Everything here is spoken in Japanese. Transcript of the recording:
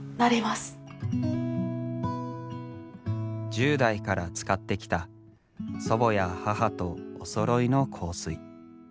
１０代から使ってきた祖母や母とおそろいの香水。